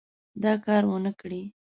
دا کار ونه کړي.